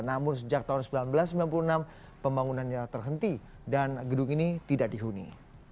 namun sejak tahun seribu sembilan ratus sembilan puluh enam pembangunannya terhenti dan gedung ini tidak dihuni